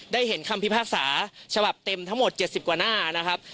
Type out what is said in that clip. เห็นคำพิพากษาฉบับเต็มทั้งหมด๗๐กว่าหน้านะครับ